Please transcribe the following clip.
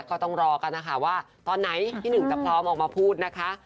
ก็ต้องรอกันนะคะว่าตอนไหนพี่หนึ่งจะพร้อมออกมาพูดนะคะ